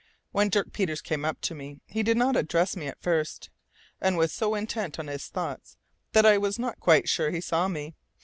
When Dirk Peters came up to me, he did not address me at first, and was so intent on his thoughts that I was not quite sure he saw me.